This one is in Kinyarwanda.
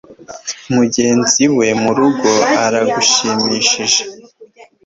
Mugenzi we murugo aragushimishije